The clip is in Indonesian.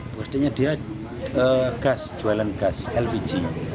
pekerjaannya dia jualan gas lpg